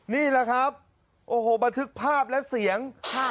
นี่แหละครับโอ้โหบันทึกภาพและเสียง